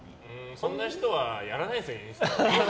そんな人はインスタやらないですよ。